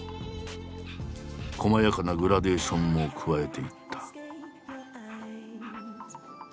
こまやかなグラデーションも加えていった。